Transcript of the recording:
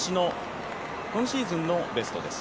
今シーズンのベストです。